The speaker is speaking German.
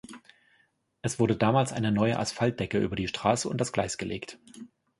Es wurde damals eine neue Asphaltdecke über die Straße und das Gleis gelegt.